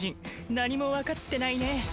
何もわかってないね。